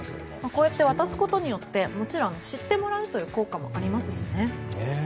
こうして渡すことでもちろん知ってもらう効果もありますしね。